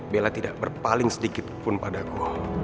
bella tidak berpaling sedikit pun padaku